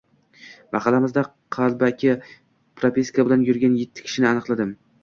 Mahallamizda qalbaki propiska bilan yurgan etti kishini aniqladim